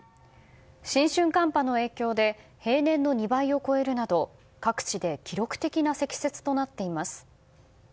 新春寒波の影響で平年の２倍を超えるなど各地で記録的な積雪となっています。